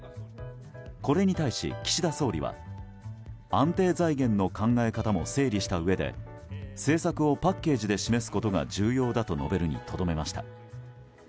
これに対し、岸田総理は安定財源の考え方も整理したうえで政策をパッケージで示すことが重要だと述べるにとどめました。